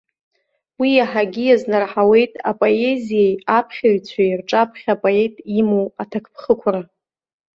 Уи иаҳагьы иазнарҳауеит апоезиеи аԥхьаҩцәеи рҿаԥхьа апоет имоу аҭакԥхықәра.